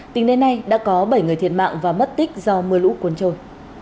tính đến nay đã có bảy người thiệt mạng và mất tích do mưa lũ cuốn trôi